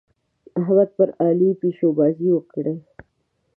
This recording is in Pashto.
احمد پر علي پيشوبازۍ وکړې.